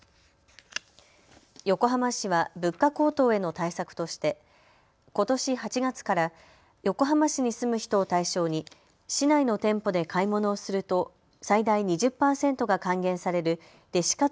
横浜市は物価高騰への対策としてことし８月から横浜市に住む人を対象に市内の店舗で買い物をすると最大２０％が還元されるレシ活